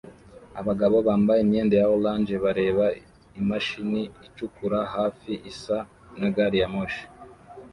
Abagabo bambaye imyenda ya orange bareba imashini icukura hafi isa na gari ya moshi